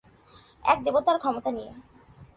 এক দেবতার ক্ষমতা নিয়ে।